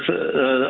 kita harus menghargai